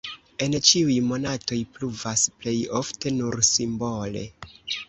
En ĉiuj monatoj pluvas (plej ofte nur simbole).